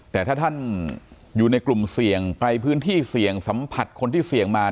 แต่ถ้าท่านอยู่ในกลุ่มเสี่ยงไปพื้นที่เสี่ยงสัมผัสคนที่เสี่ยงมา